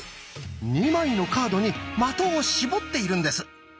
２枚のカードに的を絞っているんです。